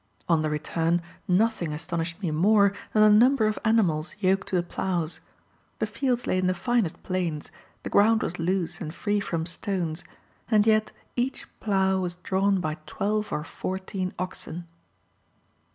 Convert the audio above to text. On the return nothing astonished me more than the number of animals yoked to the ploughs. The fields lay in the finest plains, the ground was loose and free from stones, and yet each plough was drawn by twelve or fourteen oxen.